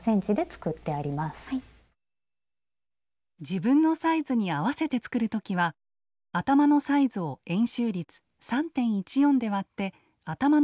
自分のサイズに合わせて作る時は頭のサイズを円周率３．１４で割って頭の直径を出します。